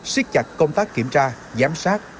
xuyết chặt công tác kiểm tra giám sát